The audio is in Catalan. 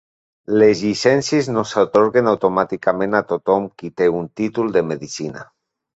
Les llicències no s'atorguen automàticament a tothom qui té un títol de medicina.